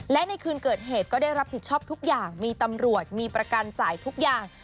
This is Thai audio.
และในคืนเกิดเหตุก็ได้รับผิดชอบทุกอย่างมีตำรวจมีประกันจ่ายทุกอย่าง